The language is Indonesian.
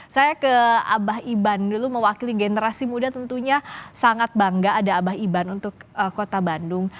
saya ke abah iban dulu mewakili generasi muda tentunya sangat bangga ada abah iban untuk kota bandung